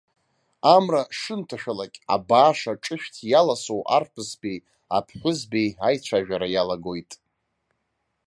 Амра шынҭашәалак, абааш аҿышәҭ иаласоу арԥызбеи аԥҳәызбеи аицәажәара иалагоит.